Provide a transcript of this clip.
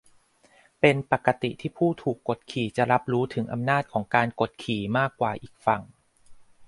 เป็นปกติที่ผู้ถูกกดขี่จะรับรู้ถึงอำนาจของการกดขี่มากกว่าอีกฝั่ง